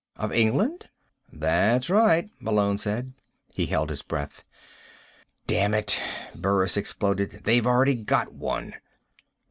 "Of England?" "That's right," Malone said. He held his breath. "Damn it," Burris exploded, "they've already got one."